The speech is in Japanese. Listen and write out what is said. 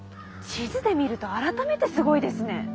地図で見ると改めてすごいですね。